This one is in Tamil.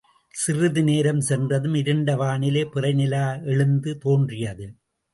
சிறிது நேரம் சென்றதும் இருண்ட வானிலே பிறை நிலா எழுந்து தோன்றியது.